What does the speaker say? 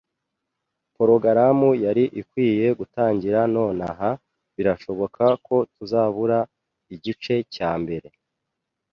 Porogaramu yari ikwiye gutangira nonaha, birashoboka ko tuzabura igice cya mbere